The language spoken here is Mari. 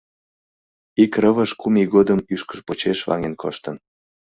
Ик рывыж кум ий годым ӱшкыж почеш ваҥен коштын...